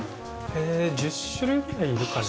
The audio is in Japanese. １０種類くらいいるかな。